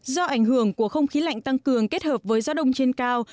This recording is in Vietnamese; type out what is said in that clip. do ảnh hưởng của không khí lạnh tăng cường kết hợp với gió đông trên cao